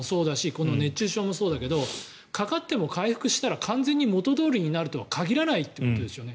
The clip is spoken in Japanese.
この熱中症もそうだけどかかっても回復したら完全に元どおりになるとは限らないということですよね。